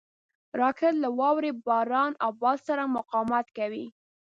راکټ له واورې، باران او باد سره مقاومت کوي